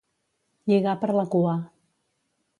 Lligar per la cua.